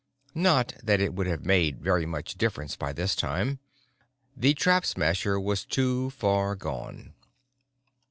Not that it would have made very much difference by this time. The Trap Smasher was too far gone.